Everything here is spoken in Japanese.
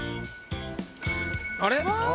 あれ？